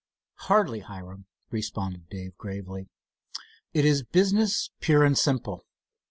"Hardly, Hiram," responded Dave gravely. "It is business, pure and simple.